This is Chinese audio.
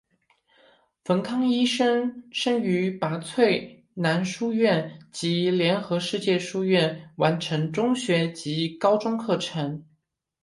冯康医生于拔萃男书院及联合世界书院完成中学及高中课程。